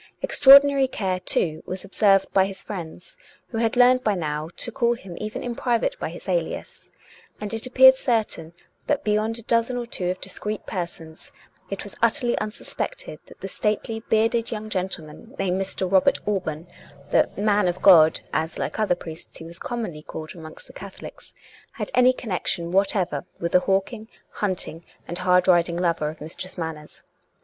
Extraordinary care, too, was observed by his friends, who had learned by now to call him even in private by his alias; and it appeared certain that beyond a dozen or two of discreet persons it was utterly unsuspected that the stately bearded young gentleman named Mr. Robert Alban — the " man of God," as, like other priests, he was com monly called amongst the Catholics — had any connection whatever with the hawking, hunting, and hard riding lover of Mistress Manners.